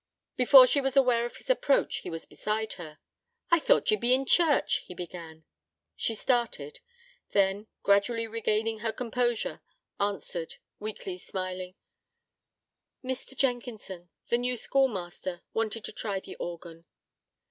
Before she was aware of his approach, he was beside her. 'I thought ye'd be in church ' he began. She started: then, gradually regaining her composure, answered, weakly smiling: 'Mr. Jenkinson, the new schoolmaster, wanted to try the organ.'